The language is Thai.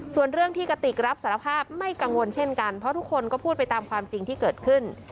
ส่วนเรื่องที่กติกรับสารภาพไม่กังวลเช่นกันเพราะทุกคนก็พูดไปตามความจริงที่เกิดขึ้น